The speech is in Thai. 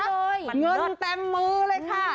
เงินเต็มมือเลยค่ะ